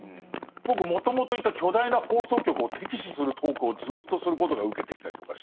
僕もともといた巨大な放送局を敵視するトークをずっとすることがウケてきたりとかして。